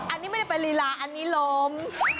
อันนี้ไม่ได้เป็นลีลาอันนี้ล้ม